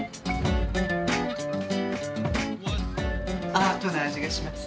アートなあじがします。